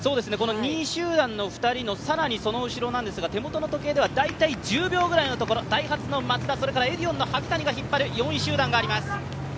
２位集団の２人の更にその後ろなんですが、手元の時計では大体１０秒ぐらいのところ、ダイハツの松田、エディオンの萩谷が引っ張る４位集団です。